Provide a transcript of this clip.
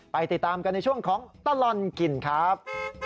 ติดตามกันในช่วงของตลอดกินครับ